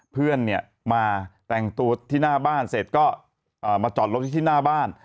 เพื่อนเนี่ยมาแต่งตัวที่หน้าบ้านเสร็จก็มาจอดรถที่หน้าบ้าน